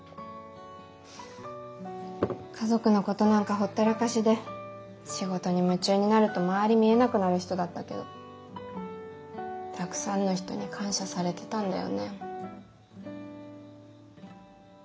家族のことなんかほったらかしで仕事に夢中になると周り見えなくなる人だったけどたくさんの人に感謝されてたんだよね。